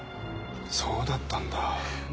そうだったんだ。